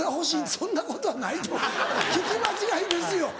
そんなことはないと思う聞き間違いですよ。